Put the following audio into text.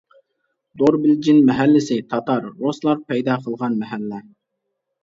دۆربىلجىن مەھەللىسى تاتار، رۇسلار پەيدا قىلغان مەھەللە.